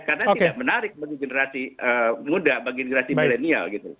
karena tidak menarik bagi generasi muda bagi generasi milenial gitu